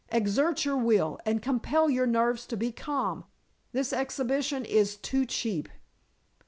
Exert your will, and compel your nerves to be calm. This exhibition is too cheap."